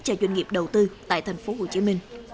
cho doanh nghiệp đầu tư tại tp hcm